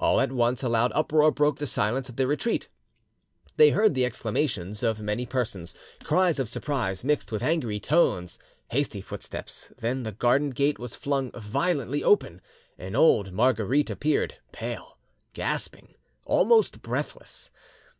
All at once a loud uproar broke the silence of their retreat; they heard the exclamations of many persons, cries of surprise mixed with angry tones, hasty footsteps, then the garden gate was flung violently open, and old Marguerite appeared, pale, gasping, almost breathless.